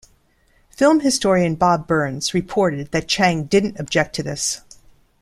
Film historian Bob Burns reported that Chang didn't object to this.